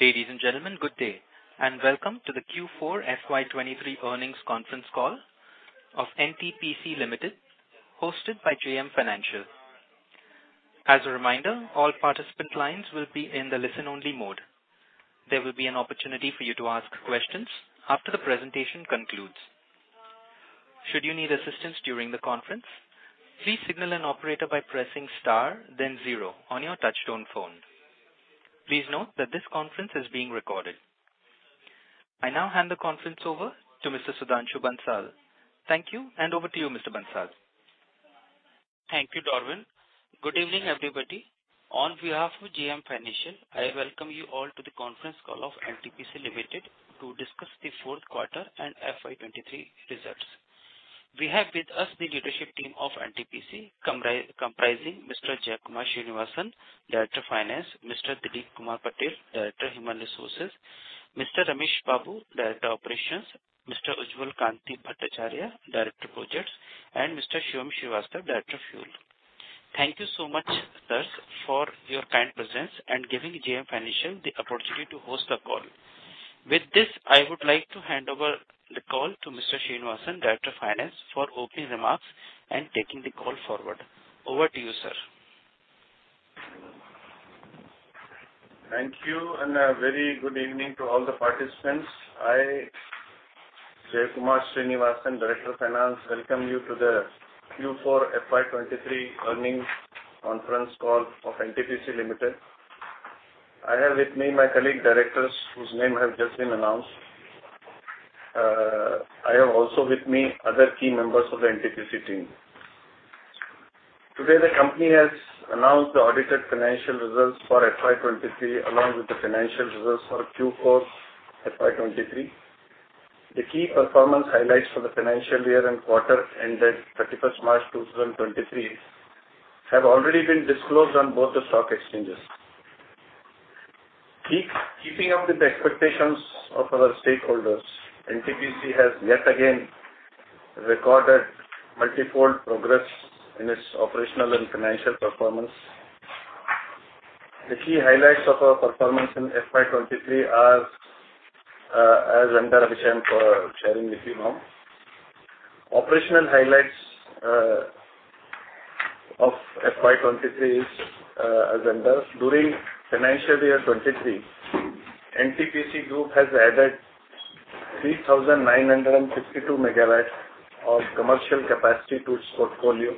Ladies and gentlemen, good day, and welcome to the Q4 FY23 Earnings Conference Call of NTPC Limited, hosted by JM Financial. As a reminder, all participant lines will be in the listen only mode. There will be an opportunity for you to ask questions after the presentation concludes. Should you need assistance during the conference, please signal an operator by pressing star then zero on your touchtone phone. Please note that this conference is being recorded. I now hand the conference over to Mr. Sudhanshu Bansal. Thank you, and over to you, Mr. Bansal. Thank you, Darwin. Good evening, everybody. On behalf of JM Financial, I welcome you all to the Conference Call of NTPC Limited to discuss the fourth quarter and FY2023 results. We have with us the leadership team of NTPC, comprising Mr. Jaikumar Srinivasan, Director Finance, Mr. Dillip Kumar Patel, Director Human Resources, Mr. Ramesh Babu, Director Operations, Mr. Ujjwal Kanti Bhattacharya, Director Projects, and Mr. Shivam Srivastava, Director Fuel. Thank you so much, sirs, for your kind presence and giving JM Financial the opportunity to host the call. With this, I would like to hand over the call to Mr. Srinivasan, Director of Finance, for opening remarks and taking the call forward. Over to you, sir. Thank you. A very good evening to all the participants. I, Jaikumar Srinivasan, Director of Finance, welcome you to the Q4 FY2023 Earnings Conference call of NTPC Limited. I have with me my colleague directors whose name have just been announced. I have also with me other key members of the NTPC team. Today, the company has announced the audited financial results for FY2023, along with the financial results for Q4 FY2023. The key performance highlights for the financial year and quarter ended 31st March 2023 have already been disclosed on both the stock exchanges. Keeping up with the expectations of our stakeholders, NTPC has yet again recorded multifold progress in its operational and financial performance. The key highlights of our performance in FY2023 are as under which I'm sharing with you now. Operational highlights of FY2023 is as under. During financial year 2023, NTPC Group has added 3,952 MW of commercial capacity to its portfolio.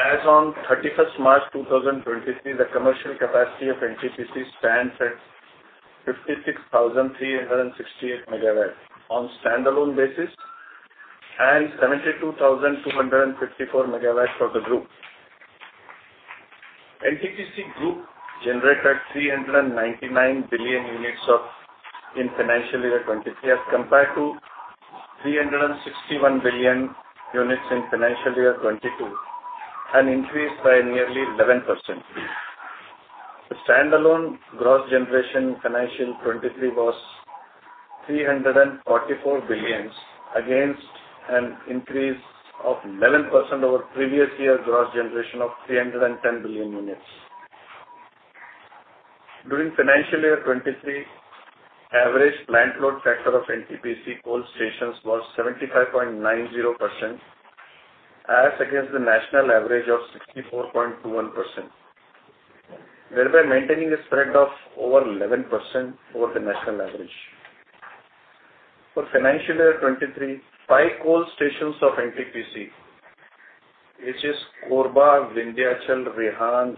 As on 31st March 2023, the commercial capacity of NTPC stands at 56,368 MW on standalone basis and 72,254 MW for the group. NTPC Group generated 399 billion units in financial year 2023 as compared to 361 billion units in financial year 2022, an increase by nearly 11%. The standalone gross generation financial 2023 was 344 billions against an increase of 11% over previous year gross generation of 310 billion units. During financial year 2023, average plant load factor of NTPC coal stations was 75.90% as against the national average of 64.21%, thereby maintaining a spread of over 11% over the national average. For financial year 2023, five coal stations of NTPC, which is Korba, Vindhyachal, Rihand,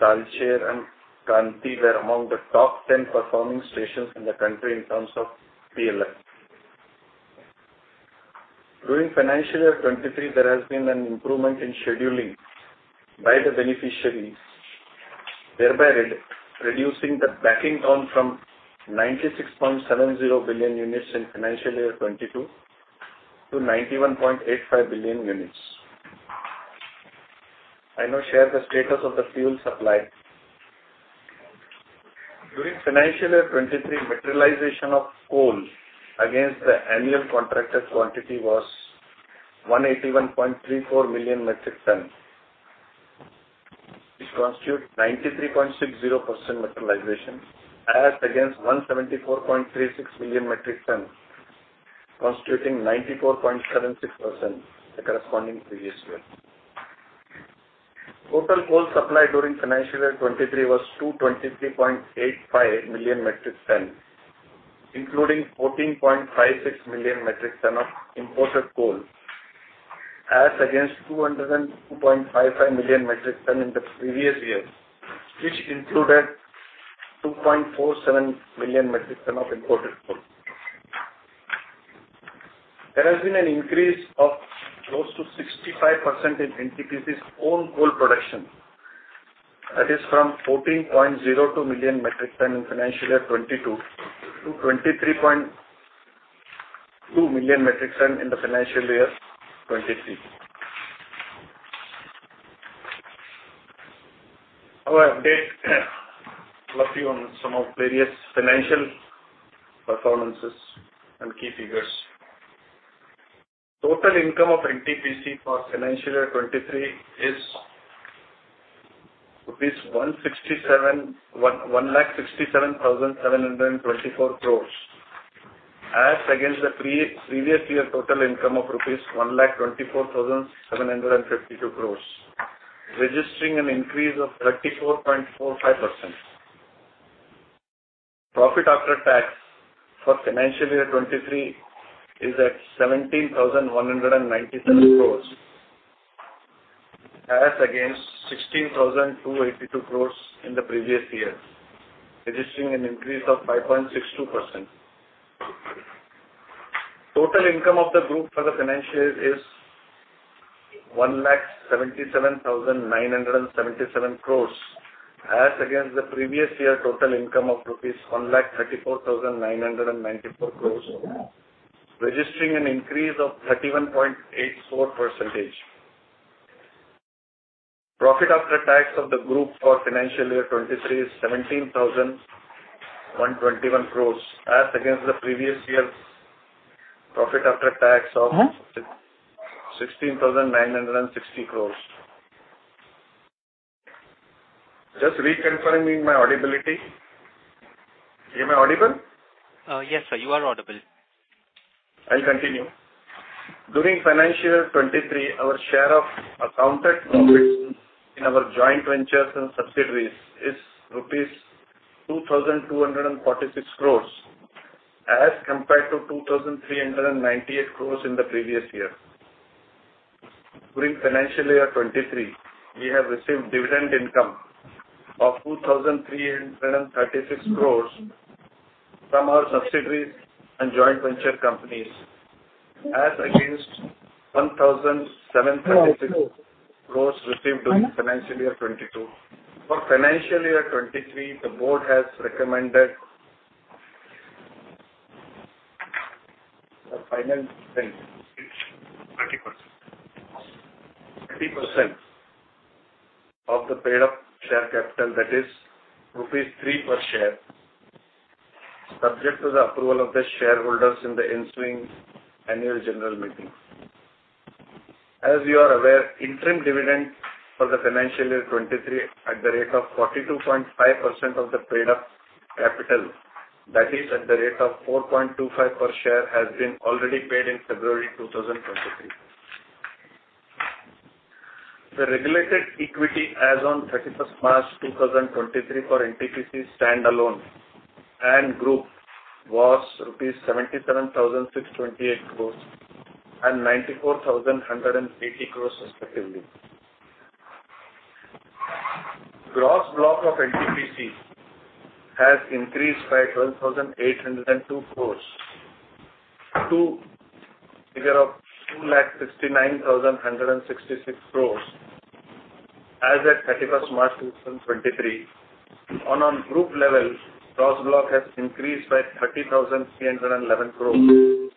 Talcher and Kanti, were among the top 10 performing stations in the country in terms of PLF. During financial year 2023, there has been an improvement in scheduling by the beneficiaries, thereby re-reducing the backing down from 96.70 billion units in financial year 2022 to 91.85 billion units. I now share the status of the fuel supply. During financial year 2023, materialization of coal against the annual contracted quantity was 181.34 million metric ton, which constitutes 93.60% materialization as against 174.36 million metric ton, constituting 94.76% the corresponding previous year. Total coal supply during financial year 2023 was 223.85 million metric ton, including 14.56 million metric ton of imported coal as against 202.55 million metric ton in the previous year, which included 2.47 million metric ton of imported coal. There has been an increase of close to 65% in NTPC's own coal production. That is from 14.02 million metric ton in financial year 22 million-23.2 million metric ton in the financial year 23. I will update you on some of various financial performances and key figures. Total income of NTPC for financial year 2023 is INR 167,724 crores. As against the pre-previous year total income of INR 1,24,752 crores, registering an increase of 34.45%. Profit after tax for financial year 2023 is at 17,197 crores, as against 16,282 crores in the previous year, registering an increase of 5.62%. Total income of the group for the financial year is 177,977 crores as against the previous year total income of rupees 134,994 crores, registering an increase of 31.84%.Profit after tax of the group for financial year 2023 is 17,121 crores as against the previous year's profit after tax. Mm-hmm. INR 16,960 crores. Just reconfirming my audibility. Am I audible? Yes sir, you are audible. I'll continue. During financial year 2023, our share of accounted profits in our joint ventures and subsidiaries is rupees 2,246 crores as compared to 2,398 crores in the previous year. During financial year 2023, we have received dividend income of 2,336 crores from our subsidiaries and joint venture companies as against 1,736 crores received during financial year 2022. For financial year 2023, the board has recommended the final dividend, 30%. 30% of the paid-up share capital, that is rupees 3 per share, subject to the approval of the shareholders in the ensuing annual general meeting. As you are aware, interim dividend for the financial year 2023 at the rate of 42.5% of the paid-up capital, that is at the rate of 4.25 per share, has been already paid in February 2023. The regulated equity as on 31st March 2023 for NTPC standalone and Group was 77,628 crores and 94,180 crores rupees respectively. Gross block of NTPC has increased by 12,802 crores to figure of 269,166 crores as at 31st March 2023. On group level, gross block has increased by 30,311 crores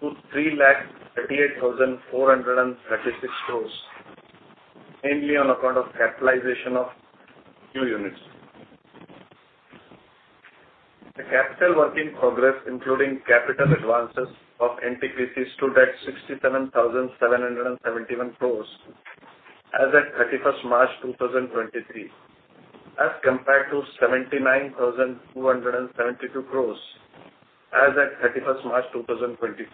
to 338,436 crores, mainly on account of capitalization of new units. The capital work in progress, including capital advances of NTPC, stood at 67,771 crores as at 31st March 2023, as compared to 79,272 crores as at 31st March 2022.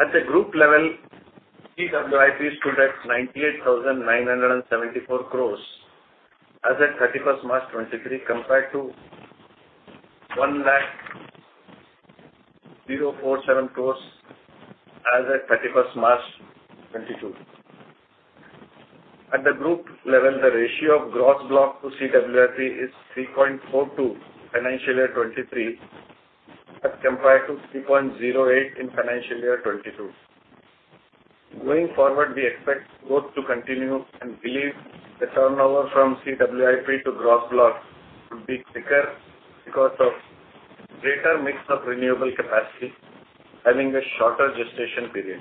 At the group level, CWIP stood at 98,974 crores as at 31st March 2023, compared to 100,047 crores as at 31st March 2022. At the group level, the ratio of gross block to CWIP is 3.42 financial year 2023 as compared to 3.08 in financial year 2022. Going forward, we expect growth to continue and believe the turnover from CWIP to gross block would be quicker because of greater mix of renewable capacity having a shorter gestation period.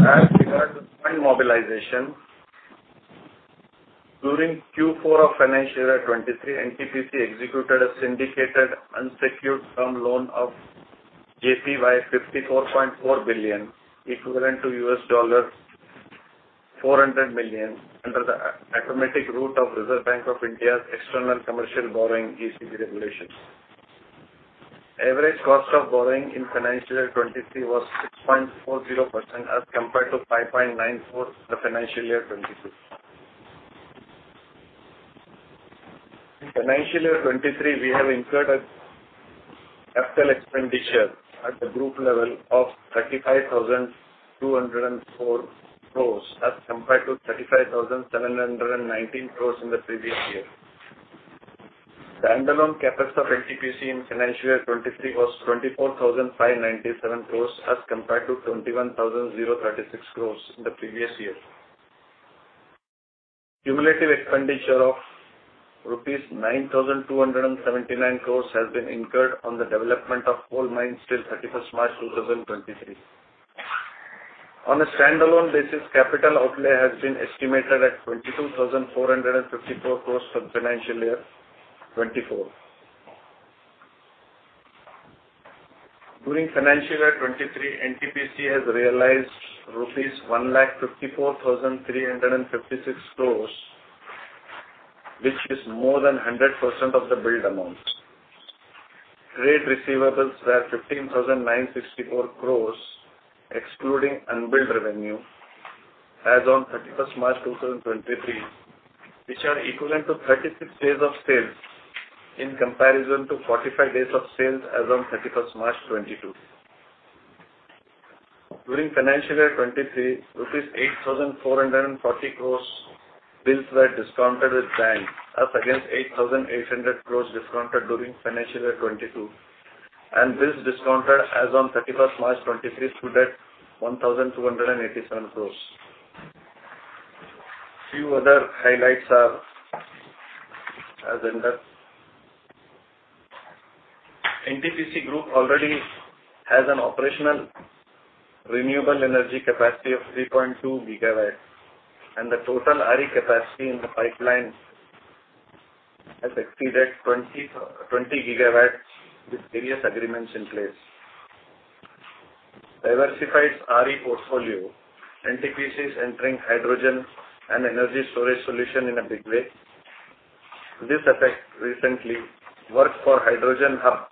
As regard to fund mobilization, during Q4 of financial year 2023, NTPC executed a syndicated unsecured term loan of JPY 54.4 billion, equivalent to USD 400 million, under the automatic route of Reserve Bank of India's External Commercial Borrowing, ECB, regulations. Average cost of borrowing in financial year 2023 was 6.40% as compared to 5.94% for financial year 2022. In financial year 2023, we have incurred a CapEx at the group level of 35,204 crores as compared to 35,719 crores in the previous year. The standalone CapEx of NTPC in financial year 2023 was 24,597 crores as compared to 21,036 crores in the previous year. Cumulative expenditure of rupees 9,279 crores has been incurred on the development of coal mines till 31st March 2023. On a standalone basis, capital outlay has been estimated at 22,454 crores for financial year 2024. During financial year 2023, NTPC has realized rupees 154,356 crores, which is more than 100% of the billed amounts. Trade receivables were 15,964 crores, excluding unbilled revenue, as on 31st March 2023, which are equivalent to 36 days of sales in comparison to 45 days of sales as on 31st March 2022. During financial year 2023, rupees 8,440 crore bills were discounted with banks up against 8,800 crore discounted during financial year 2022, and bills discounted as on 31st March 2023 stood at 1,287 crore. Few other highlights are as under. NTPC Group already has an operational renewable energy capacity of 3.2 GW, and the total RE capacity in the pipeline has exceeded 20 GW with various agreements in place. Diversified RE portfolio, NTPC is entering hydrogen and energy storage solution in a big way. To this effect, recently, work for hydrogen hub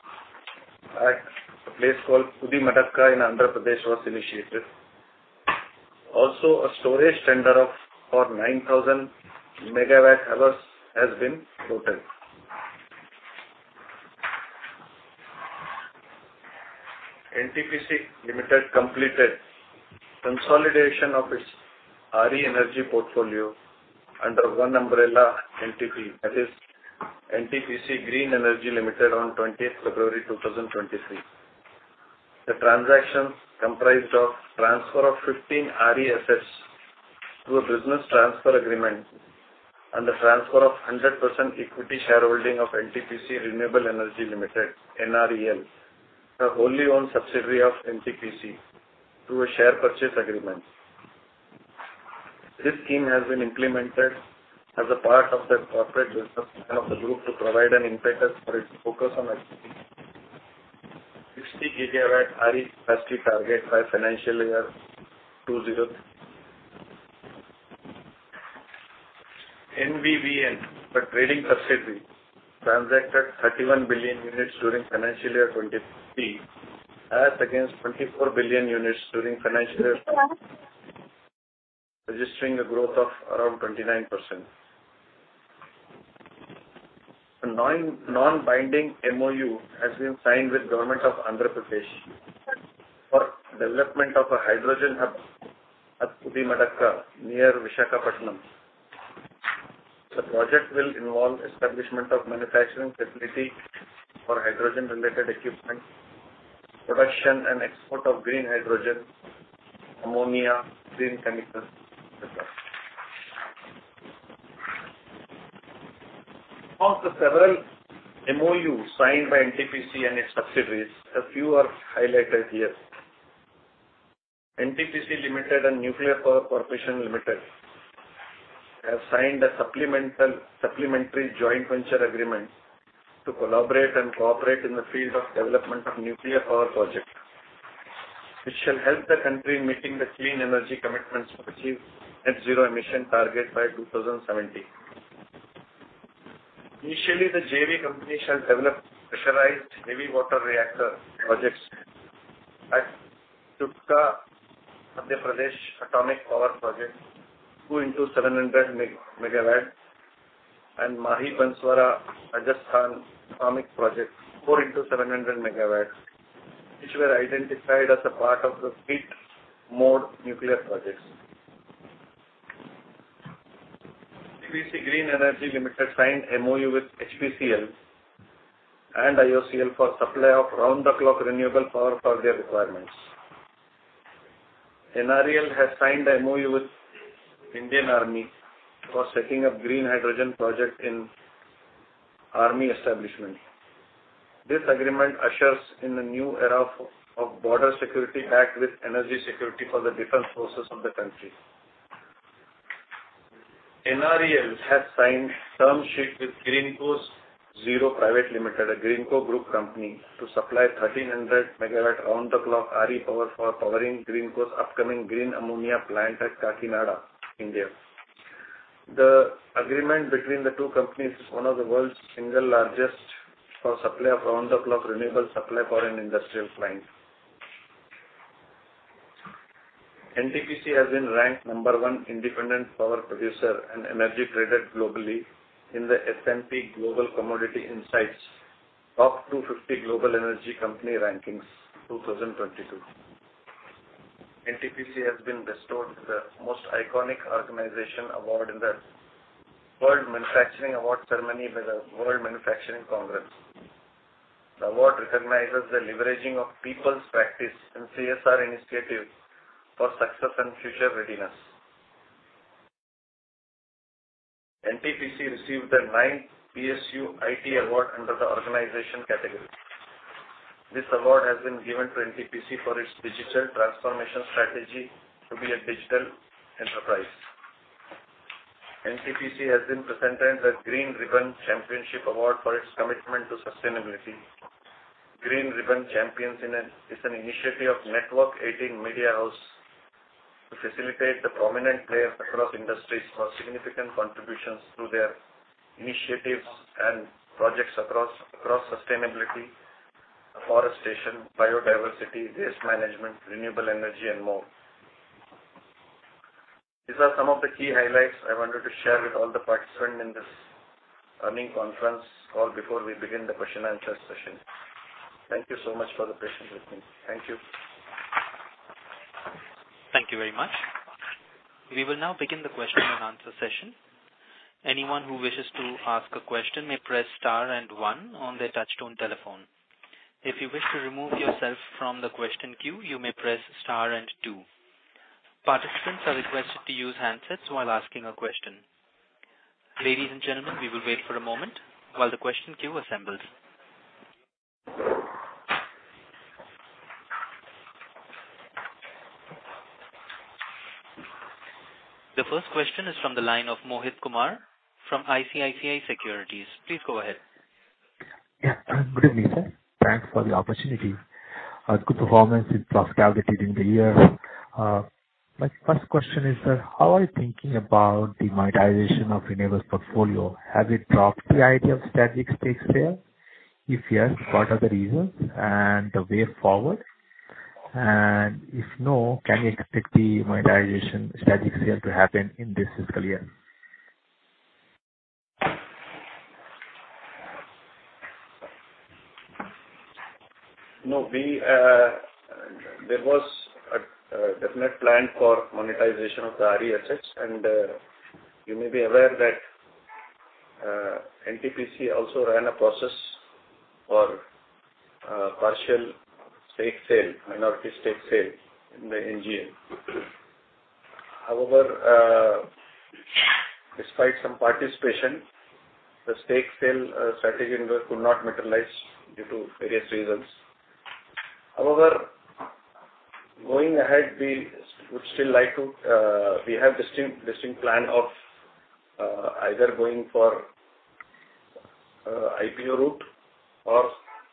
at a place called Pudimadaka in Andhra Pradesh was initiated. A storage tender for 9,000 MWh has been floated. NTPC Limited completed consolidation of its RE energy portfolio under one umbrella NTPC, that is NTPC Green Energy Limited, on twentieth February 2023. The transactions comprised of transfer of 15 RE assets through a business transfer agreement and the transfer of 100% equity shareholding of NTPC Renewable Energy Limited, NREL, a wholly owned subsidiary of NTPC, through a share purchase agreement. This scheme has been implemented as a part of the corporate business plan of the group to provide an impetus for its focus on achieving 60 GW RE capacity target by financial year 2030. NVVN, the trading subsidiary, transacted 31 billion units during financial year 2023 as against 24 billion units during financial year registering a growth of around 29%. A non-binding MoU has been signed with Government of Andhra Pradesh for development of a hydrogen hub at Pudimadaka, near Visakhapatnam. The project will involve establishment of manufacturing facility for hydrogen related equipment, production and export of green hydrogen, ammonia, green chemicals, et cetera. Of the several MoU signed by NTPC and its subsidiaries, a few are highlighted here. NTPC Limited and Nuclear Power Corporation of India Limited have signed a supplementary joint venture agreement to collaborate and cooperate in the field of development of nuclear power projects, which shall help the country in meeting the clean energy commitments to achieve net zero emission target by 2070. Initially, the JV company shall develop specialized heavy water reactor projects at Chutka, Madhya Pradesh atomic power project, two into 700 MW, and Mahi Banswara, Rajasthan atomic project, four into 700 MW, which were identified as a part of the fleet mode nuclear projects. NTPC Green Energy Limited signed MoU with HPCL and IOCL for supply of round-the-clock renewable power for their requirements. NREL has signed MoU with Indian Army for setting up green hydrogen project in Army establishment. This agreement ushers in a new era of border security packed with energy security for the defense forces of the country. NREL has signed term sheet with Greenko ZeroC Private Limited, a Greenko Group company, to supply 1,300 MW round-the-clock RE power for powering Greenko's upcoming green ammonia plant at Kakinada, India. The agreement between the two companies is one of the world's single largest for supply of round-the-clock renewable supply for an industrial client. NTPC has been ranked number one independent power producer and energy trader globally in the S&P Global Commodity Insights top 250 global energy company rankings 2022.NTPC has been bestowed the Most Iconic Organization award in the World Manufacturing Award ceremony by the World Manufacturing Congress. The award recognizes the leveraging of people's practice in CSR initiative for success and future readiness. NTPC received the ninth PSU IT award under the organization category. This award has been given to NTPC for its digital transformation strategy to be a digital enterprise. NTPC has been presented the Green Ribbon Champions Award for its commitment to sustainability. Green Ribbon Champions is an initiative of Network18 Media House to facilitate the prominent players across industries for significant contributions through their initiatives and projects across sustainability, afforestation, biodiversity, waste management, renewable energy and more. These are some of the key highlights I wanted to share with all the participants in this earning conference call before we begin the question answer session. Thank you so much for the patience with me. Thank you. Thank you very much. We will now begin the question and answer session. Anyone who wishes to ask a question may press star one on their touch-tone telephone. If you wish to remove yourself from the question queue, you may press star two. Participants are requested to use handsets while asking a question. Ladies and gentlemen, we will wait for a moment while the question queue assembles. The first question is from the line of Mohit Kumar from ICICI Securities. Please go ahead. Yeah. Good evening, sir. Thanks for the opportunity. As good performance is profitability during the year. My first question is, how are you thinking about the monetization of renewables portfolio? Have you dropped the idea of strategic stake sale? If yes, what are the reasons and the way forward? If no, can we expect the monetization strategic sale to happen in this fiscal year? No, we, there was a definite plan for monetization of the RE assets. You may be aware that NTPC also ran a process for partial stake sale, minority stake sale in the NGEL. However, despite some participation, the stake sale strategy could not materialize due to various reasons. However, going ahead, we would still like to, we have distinct plan of either going for IPO route or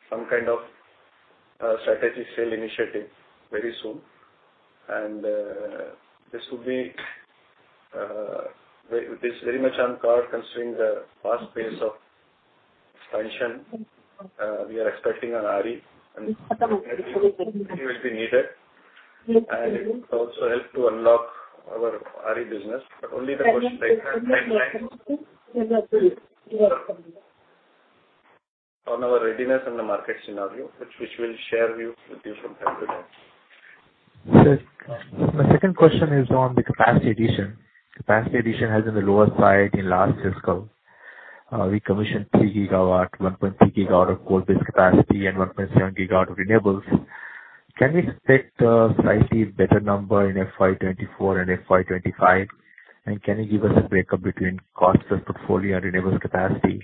some kind of strategic sale initiative very soon. This is very much on card considering the fast pace of expansion we are expecting on RE and it will be needed, and it will also help to unlock our RE business. Only the question like timeline on our readiness and the market scenario, which we'll share with you from time to time. Sir, my second question is on the capacity addition. Capacity addition has been the lower side in last fiscal. We commissioned 3 GW, 1.3 GW of coal-based capacity and 1.7 GW of renewables. Can we expect slightly better number in FY2024 and FY2025? Can you give us a breakup between cost of portfolio and renewables capacity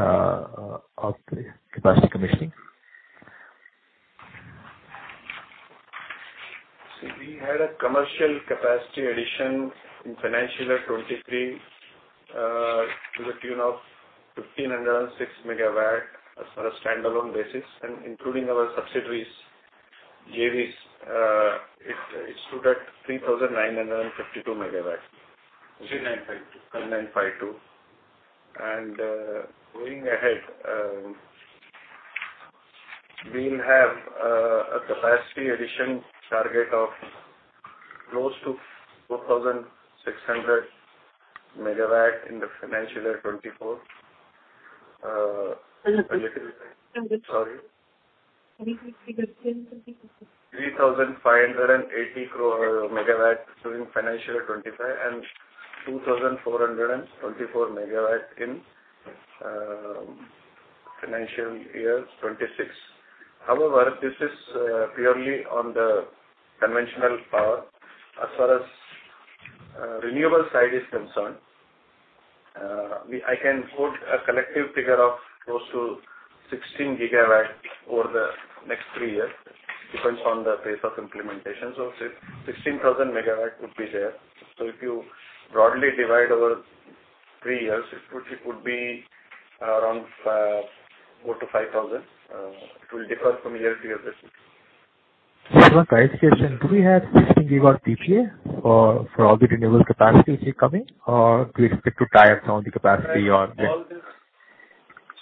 of the capacity commissioning? We had a commercial capacity addition in financial year 2023 to the tune of 1,506 MW as far as standalone basis. Including our subsidiaries, JVs, it stood at 3,952 MW. 3,952 MW. Going ahead, we'll have a capacity addition target of close to 4,600 MW in the financial year 2024. Sorry. 3,580 MW during financial 2025 and 2,424 MW in financial year 2026. This is purely on the conventional power. As far as renewable side is concerned, I can quote a collective figure of close to 16 GW over the next three years. Depends on the pace of implementation. 16,000 MW would be there. If you broadly divide over three years, it would be around 4,000-5,000. It will differ from year to year basis. One clarification. Do we have 16 GW PPA for all the renewable capacity which is coming? Or do you expect to tie up some of the capacity or, yeah? All this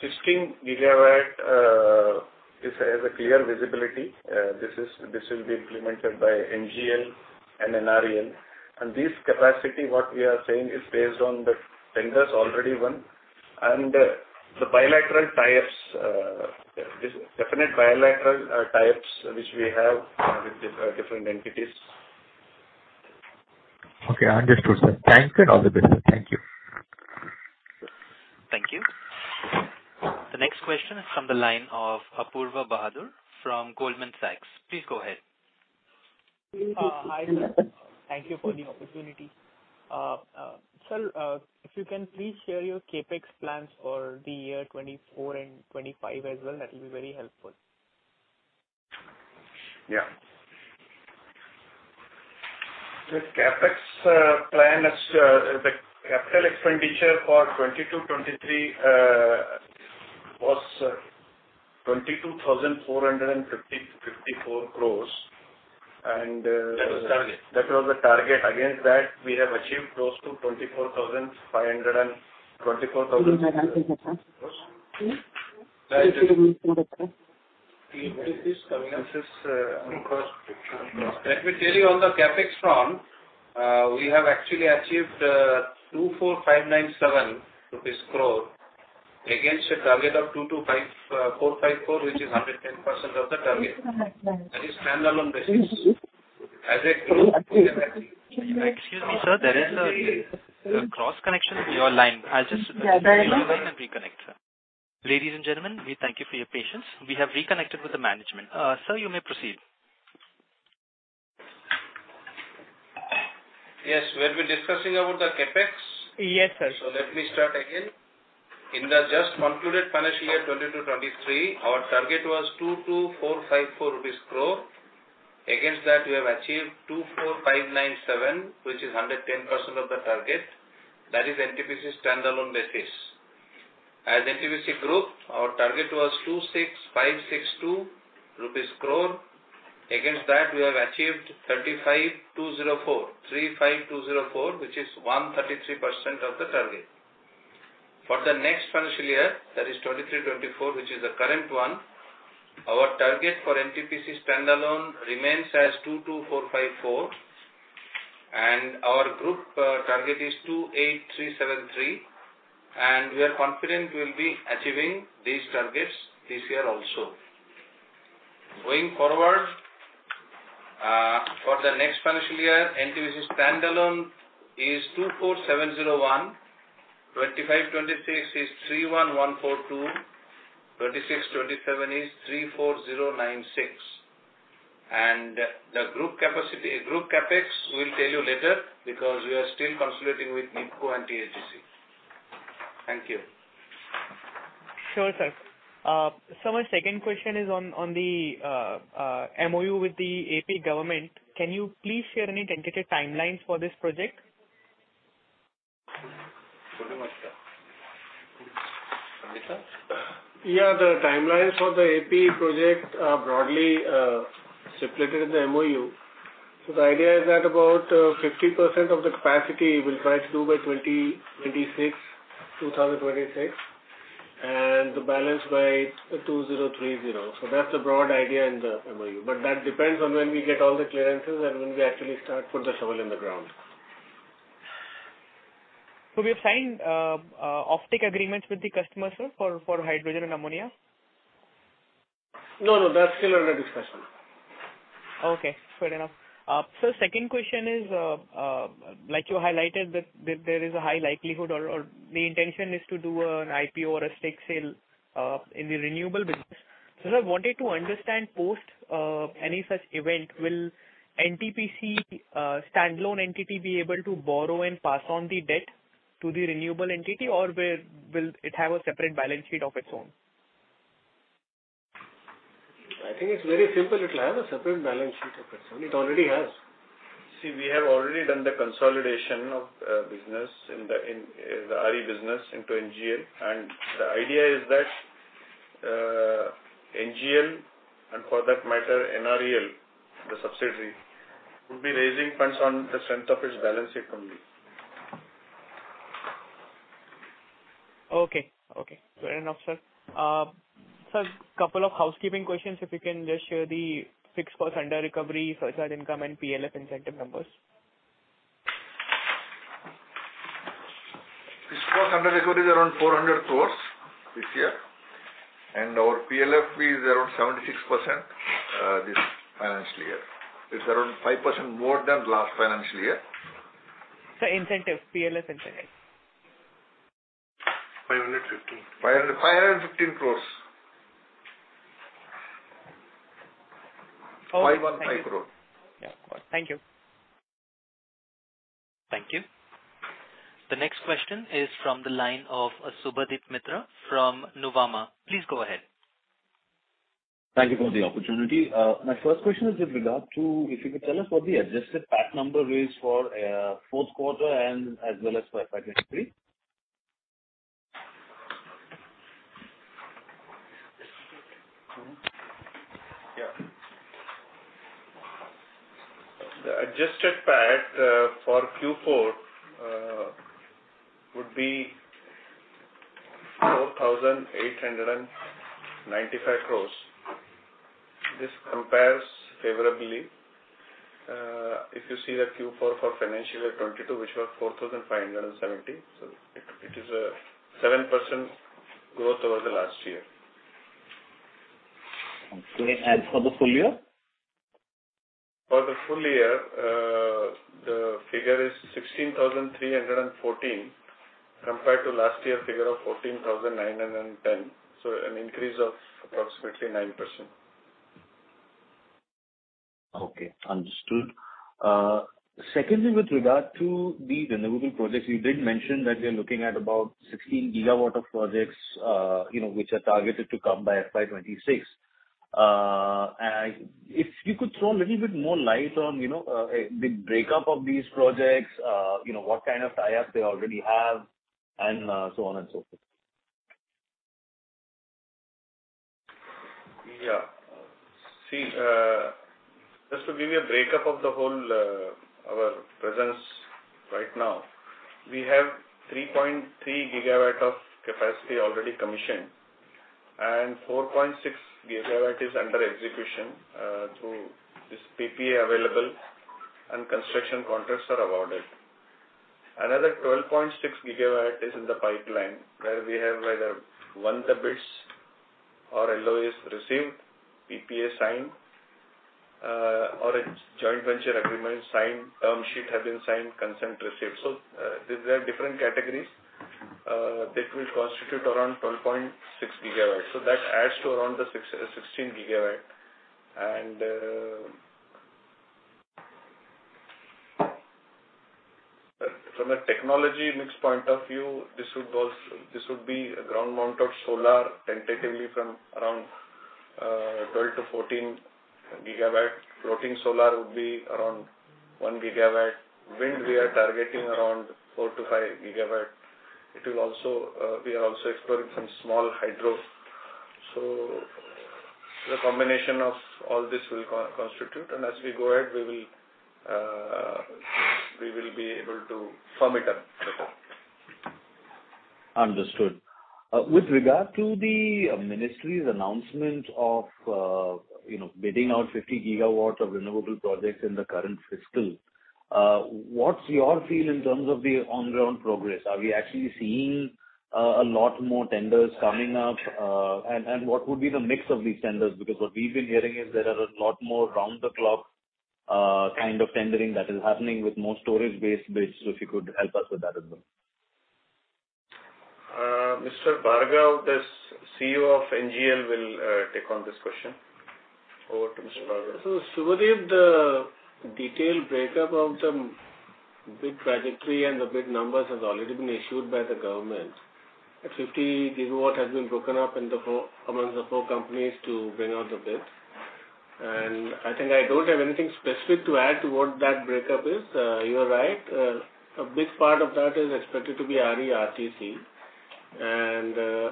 16 GW is as a clear visibility. This will be implemented by NGEL and NREL. This capacity, what we are saying is based on the tenders already won and the bilateral tie-ups, this definite bilateral tie-ups which we have with different entities. Okay, understood, sir. Thanks and all the best. Thank you. Thank you. The next question is from the line of Apoorva Bahadur from Goldman Sachs. Please go ahead. Hi, sir. Thank you for the opportunity. Sir, if you can please share your CapEx plans for the year 2024 and 2025 as well, that will be very helpful. Yeah. The CapEx plan is the capital expenditure for 2022-2023 was 22,454 crores. That was the target. That was the target. Against that, we have achieved close to 24,500 and 24,000 crores. Let me tell you on the CapEx front, we have actually achieved 24,597 crore rupees against a target of 22,545.4 crore, which is 110% of the target. That is standalone basis. As a group, we have achieved- Excuse me, sir. There is a cross connection in your line. I'll just mute your line and reconnect, sir. Ladies and gentlemen, we thank you for your patience. We have reconnected with the management. Sir, you may proceed. Yes. We have been discussing about the CapEx. Yes, sir. Let me start again. In the just concluded financial year, 2022-2023, our target was 22,454 crore rupees. Against that, we have achieved 24,597 crore, which is 110% of the target. That is NTPC standalone basis. As NTPC group, our target was 26,562 crore rupees. Against that, we have achieved 35,204 crore, 35,204 crore, which is 133% of the target. For the next financial year, that is 2023-2024, which is the current one, our target for NTPC standalone remains as 22,454 crore, and our group target is 28,373 crore, and we are confident we'll be achieving these targets this year also. Going forward, for the next financial year, NTPC standalone is 24,701 crore.2025, 2026 is 31,142 crore. 2026, 2027 is 34,096 crore. The group capacity, group CapEx, we'll tell you later because we are still consolidating with NEEPCO and THDC. Thank you. Sure, sir, my second question is on the MoU with the AP government. Can you please share any tentative timelines for this project? Yeah. The timelines for the AP project are broadly separated in the MoU. The idea is that about 50% of the capacity we'll try to do by 2026, and the balance by 2030. That's the broad idea in the MoU. That depends on when we get all the clearances and when we actually start, put the shovel in the ground. We have signed offtake agreements with the customers, sir, for hydrogen and ammonia? No, no. That's still under discussion. Okay. Fair enough. Sir, second question is, like you highlighted that there is a high likelihood or the intention is to do an IPO or a stake sale in the renewable business. I wanted to understand post any such event, will NTPC standalone entity be able to borrow and pass on the debt to the renewable entity, or will it have a separate balance sheet of its own? I think it's very simple. It'll have a separate balance sheet of its own. It already has. We have already done the consolidation of business in the RE business into NGEL. The idea is that NGEL, and for that matter NREL, the subsidiary, would be raising funds on the strength of its balance sheet only. Okay. Okay. Fair enough, sir. Sir, couple of housekeeping questions, if you can just share the fixed cost under recovery, surcharge income and PLF incentive numbers? Fixed cost under recovery is around 400 crores this year, and our PLF is around 76% this financial year. It's around 5% more than last financial year. Sir, incentive. PLF incentive. INR 515 crore. 515 crores. Okay. Thank you. 515 crore. Yeah. Got it. Thank you. Thank you. The next question is from the line of Subhadip Mitra from Nuvama. Please go ahead. Thank you for the opportunity. My first question is with regard to if you could tell us what the adjusted PAT number is for fourth quarter and as well as for financial year? Yeah. The adjusted PAT for Q4 would be 4,895 crores. This compares favorably, if you see the Q4 for financial year 2022, which was 4,570. It is a 7% growth over the last year. Okay. For the full year? For the full year, the figure is 16,314 crore compared to last year figure of 14,910 crore. An increase of approximately 9%. Okay, understood. Secondly, with regard to the renewable projects, you did mention that you're looking at about 16 GW of projects, you know, which are targeted to come by FY2026. If you could throw a little bit more light on, you know, the breakup of these projects. You know, what kind of tie-ups they already have and, so on and so forth. Yeah. See, just to give you a breakup of the whole, our presence right now. We have 3.3 GW of capacity already commissioned. 4.6 GW is under execution through this PPA available and construction contracts are awarded. Another 12.6 GW is in the pipeline, where we have either won the bids or LOAs received, PPA signed, or a joint venture agreement signed, term sheet have been signed, consent received. These are different categories that will constitute around 12.6 GW. That adds to around the 16 GW. From a technology mix point of view, this would be a ground mount of solar tentatively from around 12 GW-14 GW. Floating solar would be around 1 GW. Wind, we are targeting around 4 GW-5 GW.It will also, we are also exploring some small hydro. The combination of all this will constitute and as we go ahead, we will be able to sum it up better. Understood. With regard to the ministry's announcement of, you know, bidding out 50 GW of renewable projects in the current fiscal, what's your feel in terms of the on-ground progress? Are we actually seeing a lot more tenders coming up? What would be the mix of these tenders? Because what we've been hearing is there are a lot more round-the-clock kind of tendering that is happening with more storage-based bids. If you could help us with that as well. Mr. Bhargava, CEO of NGEL, will take on this question. Over to Mr. Bhargava. Subhadip, the detailed breakup of the bid trajectory and the bid numbers has already been issued by the government. At 50 GW has been broken up among the four companies to bring out the bids. I think I don't have anything specific to add to what that breakup is. You are right. A big part of that is expected to be RE RTC and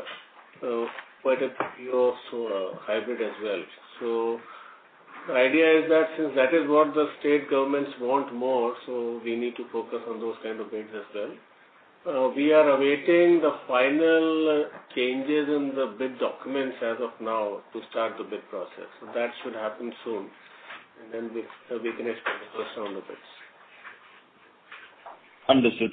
quite a few also hybrid as well. The idea is that since that is what the state governments want more, so we need to focus on those kind of bids as well. We are awaiting the final changes in the bid documents as of now to start the bid process. That should happen soon. We can expect the rest of the bids. Understood.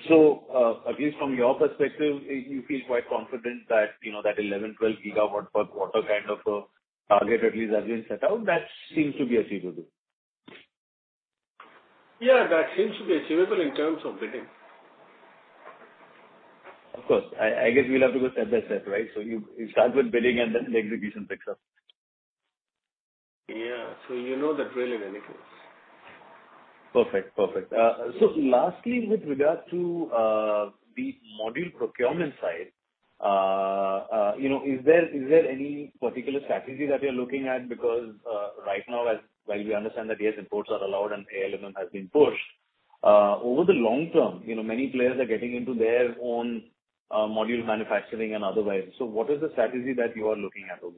At least from your perspective, you feel quite confident that, you know, that 11 GW, 12 GW per quarter kind of a target at least has been set out, that seems to be achievable. Yeah, that seems to be achievable in terms of bidding. Of course. I guess we'll have to go step by step, right? You start with bidding and then the execution picks up. Yeah. You know the drill in any case. Perfect. Perfect. Lastly, with regard to the module procurement side, you know, is there any particular strategy that you're looking at? Because, right now, as while we understand that, yes, imports are allowed and ALMM has been pushed, over the long term, you know, many players are getting into their own module manufacturing and otherwise. What is the strategy that you are looking at over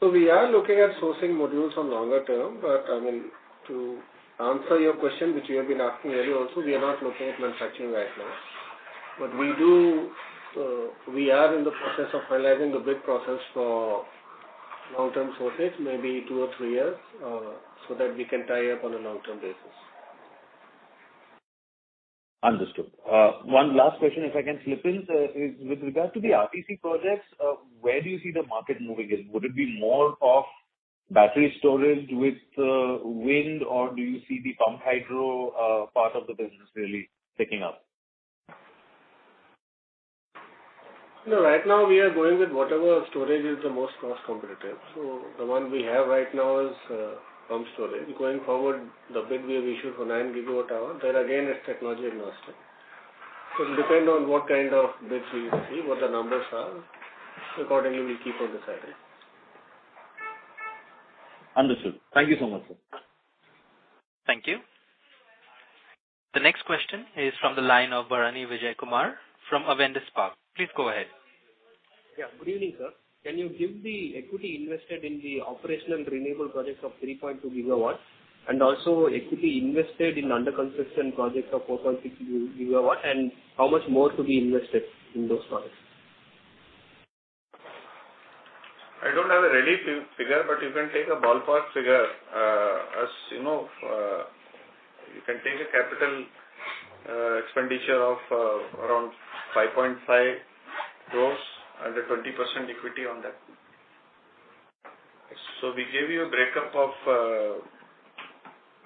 there? We are looking at sourcing modules on longer term. I mean, to answer your question, which you have been asking earlier also, we are not looking at manufacturing right now. We do, we are in the process of finalizing the bid process for long-term sources, maybe two or three years, so that we can tie up on a long-term basis. Understood. One last question, if I can slip in. With regard to the RTC projects, where do you see the market moving in? Would it be more of battery storage with, wind, or do you see the pump hydro, part of the business really picking up? No. Right now we are going with whatever storage is the most cost competitive. The one we have right now is pump storage. Going forward, the bid we have issued for 9 GWh, there again, it's technology agnostic. It'll depend on what kind of bids we receive, what the numbers are. Accordingly, we keep on deciding. Understood. Thank you so much, sir. Thank you. The next question is from the line of Bharanidhar Vijayakumar from Avendus Spark. Please go ahead. Good evening, sir. Can you give the equity invested in the operational renewable projects of 3.2 GW, and also equity invested in under construction projects of 4.6 GW, and how much more to be invested in those projects? I don't have a ready figure, you can take a ballpark figure. As you know. You can take a capital expenditure of around 5.5 crore and a 20% equity on that. We gave you a breakup of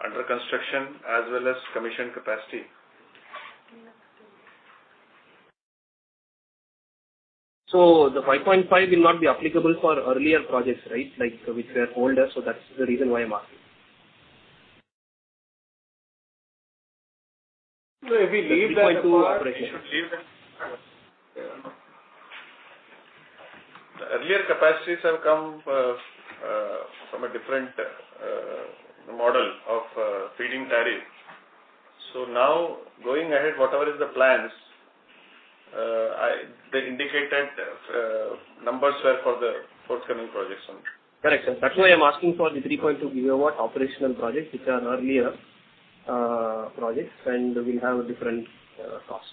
under construction as well as commission capacity. The 5.5 crore will not be applicable for earlier projects, right? Like, which are older, so that's the reason why I'm asking. If we leave the two operational. The earlier capacities have come from a different model of feeding tariff. Now going ahead, whatever is the plans, they indicated numbers were for the forthcoming projects only. Correct, sir. That's why I'm asking for the 3.2 GW operational projects which are earlier, projects, and will have a different, cost.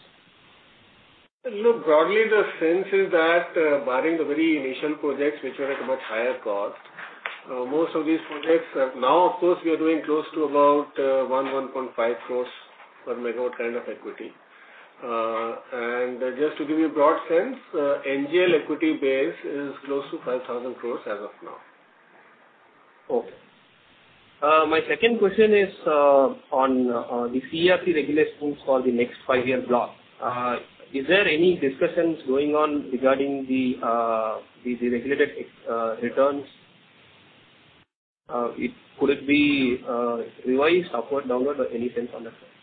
Look, broadly, the sense is that, barring the very initial projects which were at a much higher cost, most of these projects have now, of course, we are doing close to about 1 crores- 1.5 crores per megawatt kind of equity. Just to give you broad sense, NGEL equity base is close to 5,000 crores as of now. Okay. My second question is on the CERC regulations for the next five-year block. Is there any discussions going on regarding the regulated returns? Could it be revised upward, downward or any sense on that front?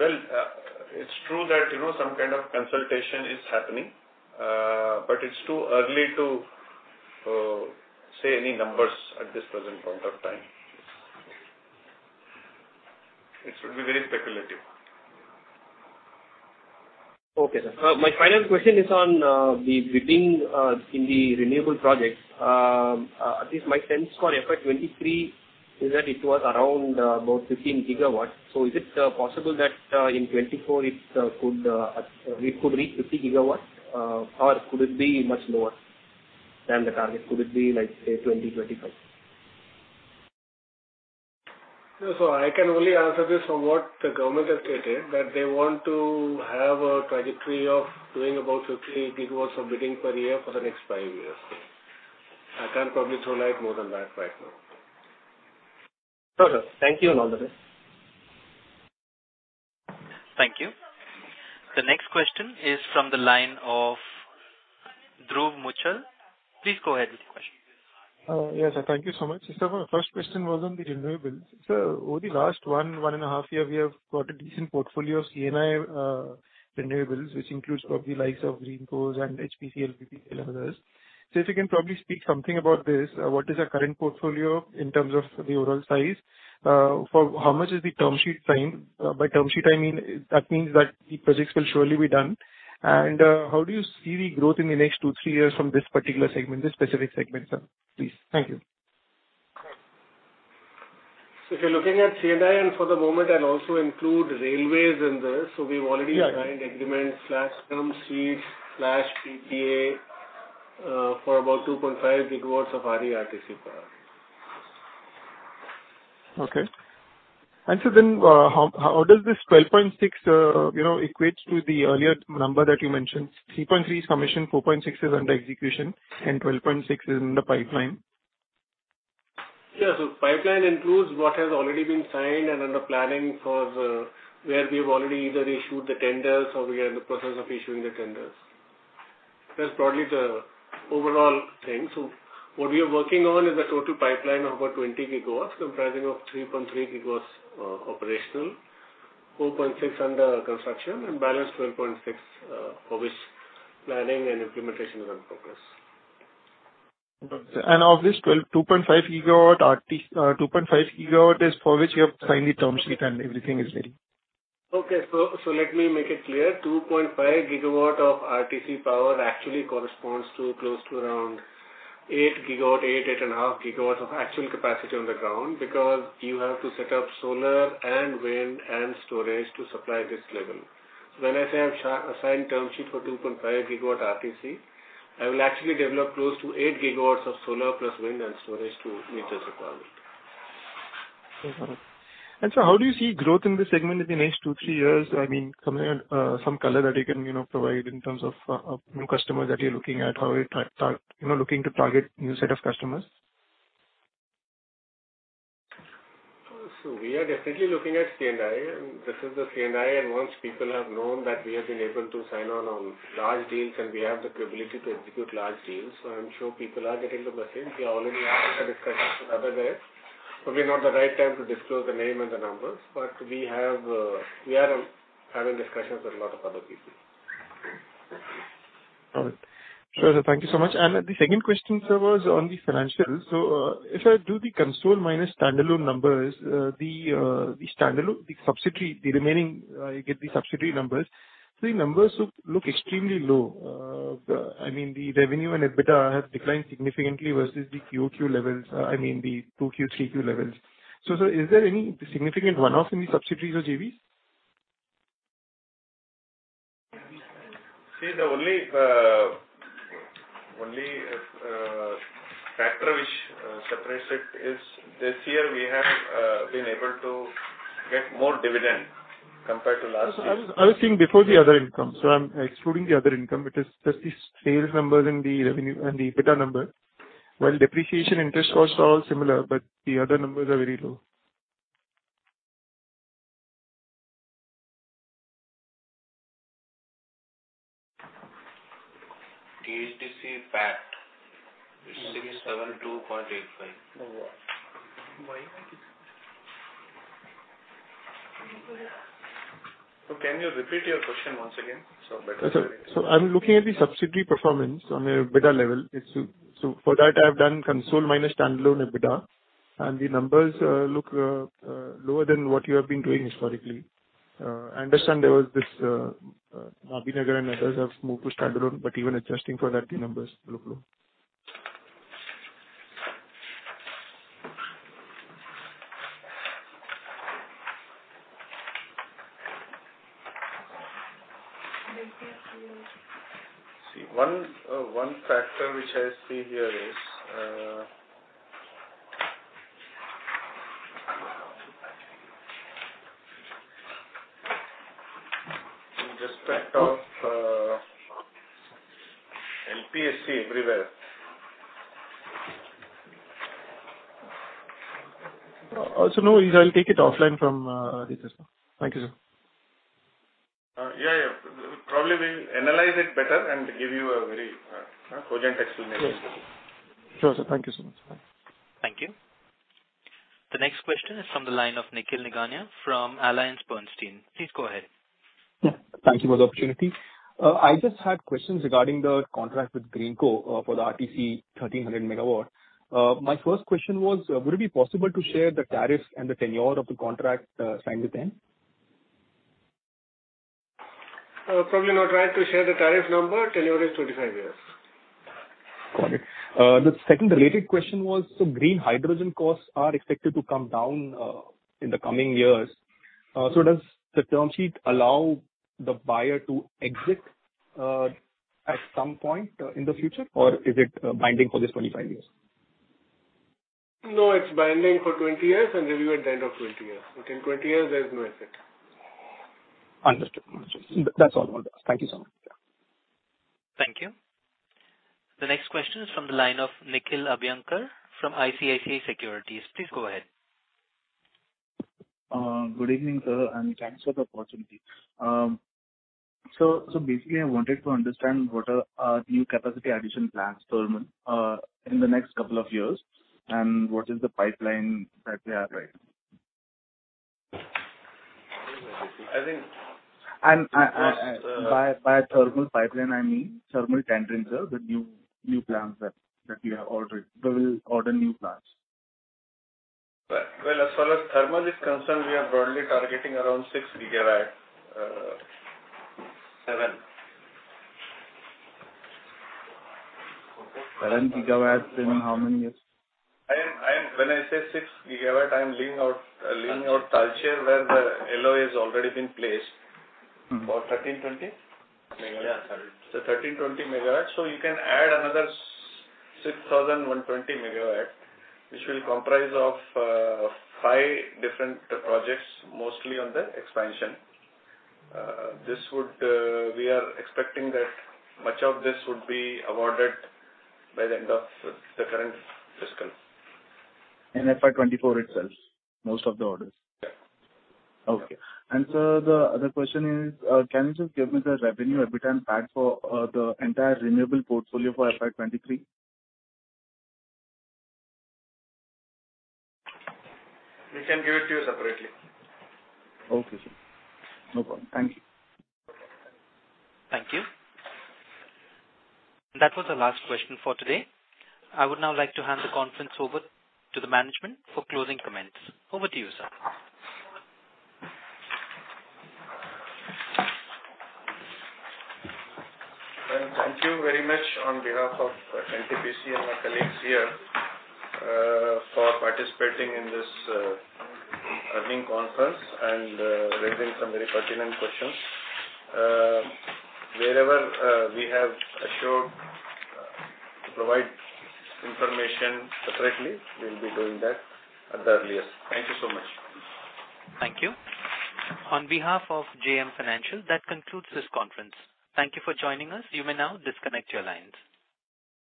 Well, it's true that, you know, some kind of consultation is happening. It's too early to say any numbers at this present point of time. It should be very speculative. Okay, sir. My final question is on the bidding in the renewable projects. At least my sense for FY2023 is that it was around about 15 GW. Is it possible that in 2024 it could reach 50 GW or could it be much lower than the target? Could it be like, say, 20 GW-25 GW? I can only answer this from what the government has stated, that they want to have a trajectory of doing about 15 GW of bidding per year for the next five years. I can't probably throw light more than that right now. Sure, sir. Thank you and all the best. Thank you. The next question is from the line of Dhruv Muchhal. Please go ahead with your question. Yes, thank you so much. My first question was on the renewables. Over the last one, one and a half year, we have got a decent portfolio of C&I renewables, which includes probably likes of ReNew Power and HPCL, BPCL and others. If you can probably speak something about this. What is our current portfolio in terms of the overall size? For how much is the term sheet signed? By term sheet, I mean, that means that the projects will surely be done. How do you see the growth in the next two, three years from this particular segment, this specific segment, sir, please? Thank you. If you're looking at C&I, and for the moment I'll also include railways in this. Yeah. We've already signed agreements/term sheets/PPA, for about 2.5 GW of RE RTC power. Okay. How does this 12.6 GW, you know, equates to the earlier number that you mentioned? 3.3 GW is commission, 4.6 GW is under execution, 12.6 GW is in the pipeline. Yeah. Pipeline includes what has already been signed and under planning where we have already either issued the tenders or we are in the process of issuing the tenders. That's broadly the overall thing. What we are working on is a total pipeline of about 20 GW, comprising of 3.3 GW operational, 4.6 GW under construction, and balance 12.6 GW for which planning and implementation is on progress. Of this 12 GW, 2.5 GW is for which you have signed the term sheet and everything is ready. Okay. Let me make it clear. 2.5 GW of RTC power actually corresponds to close to around 8.5 GW of actual capacity on the ground because you have to set up solar and wind and storage to supply this level. When I say I've signed term sheet for 2.5 GW RTC, I will actually develop close to 8 GW of solar plus wind and storage to meet this requirement. Okay. How do you see growth in this segment in the next two, three years? I mean, some color that you can, you know, provide in terms of new customers that you're looking at. How are you know, looking to target new set of customers? We are definitely looking at C&I, and this is the C&I. Once people have known that we have been able to sign on on large deals and we have the capability to execute large deals. I'm sure people are getting the message. We already are in the discussions with other guys. Probably not the right time to disclose the name and the numbers, but we have, we are having discussions with a lot of other people. Got it. Sure, sir. Thank you so much. The second question, sir, was on the financials. If I do the console minus standalone numbers, the standalone, the subsidiary, the remaining, you get the subsidiary numbers. The numbers look extremely low. The, I mean, the revenue and EBITDA has declined significantly versus the QOQ levels, I mean the 2Q, 3Q levels. Is there any significant one-off in the subsidiaries or JVs? The only factor which separates it is this year we have been able to get more dividend compared to last year. I was seeing before the other income. I'm excluding the other income. It is just the sales numbers and the revenue and the EBITDA number. While depreciation interest costs are all similar, the other numbers are very low. THDC PAT is INR 672.85 crore. Oh, wow. Can you repeat your question once again so I better get it? I'm looking at the subsidiary performance on a EBITDA level. For that, I've done consolidated minus standalone EBITDA, and the numbers look lower than what you have been doing historically. I understand there was this Nabinagar and others have moved to standalone, but even adjusting for that, the numbers look low. See, one factor which I see here is. We just backed off, LPSC everywhere. No, I'll take it offline from Ritesh. Thank you, sir. Yeah. Probably we'll analyze it better and give you a very cogent explanation. Sure, sure, sir. Thank you so much. Bye. Thank you. The next question is from the line of Nikhil Nigania from Bernstein. Please go ahead. Yeah, thank you for the opportunity. I just had questions regarding the contract with Greenko for the RTC 1,300 MW. My first question was, would it be possible to share the tariffs and the tenure of the contract signed with them? Probably not right to share the tariff number. Tenure is 25 years. Got it. The second related question was, Green hydrogen costs are expected to come down in the coming years. Does the term sheet allow the buyer to exit at some point in the future or is it binding for this 25 years? No, it's binding for 20 years and review at the end of 20 years. Within 20 years there is no exit. Understood. Understood. That's all. Thank you so much. Yeah. Thank you. The next question is from the line of Nikhil Abhyankar from ICICI Securities. Please go ahead. Good evening, sir, and thanks for the opportunity. Basically I wanted to understand what are new capacity addition plans, thermal, in the next two years, and what is the pipeline that we have right now? I think- And by thermal pipeline, I mean thermal tenderings, the new plants that you have ordered. Will order new plants. Well, as far as thermal is concerned, we are broadly targeting around 6 GW, 7 GW. 7 GW in how many years? I am, when I say 6 GW, I'm leaving out Talcher where the LOA has already been placed. Mm-hmm. Abou 1,320 MW? Megawatt. 1,320 MW. You can add another 6,100 MW, which will comprise of five different projects, mostly on the expansion. This would, we are expecting that much of this would be awarded by the end of the current fiscal. In FY2024 itself, most of the orders? Yeah. Okay. The other question is, can you just give me the revenue EBITDA and PAT for the entire renewable portfolio for FY2023? We can give it to you separately. Okay, sir. No problem. Thank you. Thank you. That was the last question for today. I would now like to hand the conference over to the management for closing comments. Over to you, sir. Thank you very much on behalf of NTPC and my colleagues here, for participating in this, earning conference and, raising some very pertinent questions. Wherever, we have assured, to provide information separately, we'll be doing that at the earliest. Thank you so much. Thank you. On behalf of JM Financial, that concludes this conference. Thank you for joining us. You may now disconnect your lines.